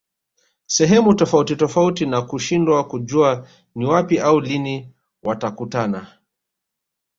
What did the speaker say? sehemu tofauti tofauti na kushindwa kujua ni wapi au lini watakutana